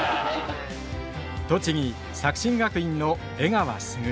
栃木・作新学院の江川卓。